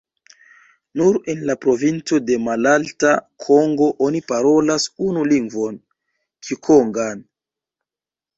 Nur en la provinco de Malalta Kongo oni parolas unu lingvon, kikongan.